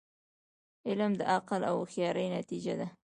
علم د عقل او هوښیاری نتیجه ده.